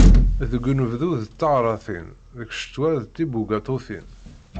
Deg unebdu, d taɣratin. Deg ccetwa, d tibugaṭutin.